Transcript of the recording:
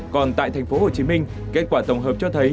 còn tại thành phố hồ chí minh kết quả tổng hợp cho thấy